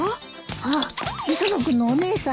あっ磯野君のお姉さん。